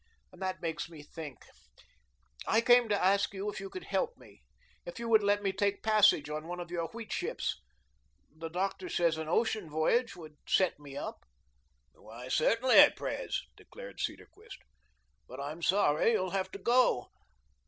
And that makes me think, I came to ask you if you could help me. If you would let me take passage on one of your wheat ships. The Doctor says an ocean voyage would set me up." "Why, certainly, Pres," declared Cedarquist. "But I'm sorry you'll have to go.